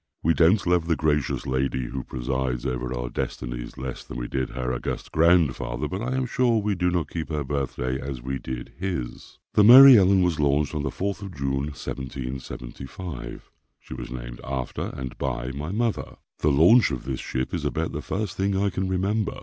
We don't love the gracious Lady who presides over our destinies less than we did her august grandfather, but I am sure we do not keep her birthday as we did his. The Mary Ellen was launched on the 4th of June, 1775. She was named after and by my mother. The launch of this ship is about the first thing I can remember.